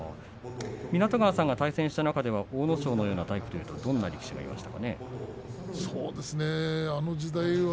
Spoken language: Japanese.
湊川さんが対戦した中では阿武咲のタイプはどんな人がいましたか。